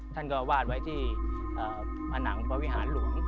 ท่านก็วาดไว้ที่ผนังพระวิหารหลวง